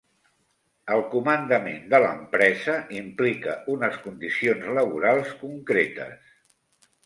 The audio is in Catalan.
El comandament de l'empresa implica unes condicions laborals concretes.